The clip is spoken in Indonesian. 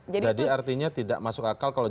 jadi artinya tidak masuk akal kalau